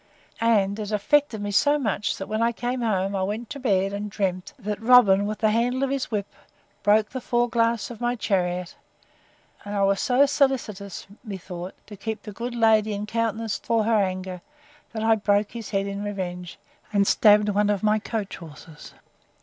And it affected me so much, that, when I came home, I went to bed, and dreamt, that Robin, with the handle of his whip, broke the fore glass of my chariot; and I was so solicitous, methought, to keep the good lady in countenance for her anger, that I broke his head in revenge, and stabbed one of my coach horses.